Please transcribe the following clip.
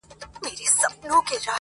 د زړګي لښکر مي ټوله تار و مار دی,